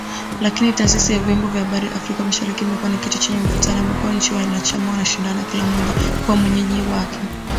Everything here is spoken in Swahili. Lakini Taasisi ya Vyombo vya Habari Afrika Mashariki imekuwa ni kitu chenye mvutano, ambapo nchi wanachama wanashindana kila mmoja kuwa mwenyeji wake.